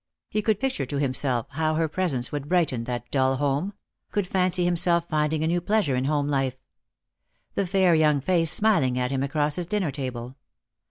He could Eicture to himself how her presence would brighten that dull ome ; could fancy himself finding a new pleasure in home life. The fair young face smiling at him across his dinner table.